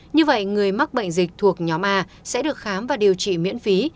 như vậy người mắc bệnh dịch thuộc nhóm a sẽ được khám và điều trị miễn phí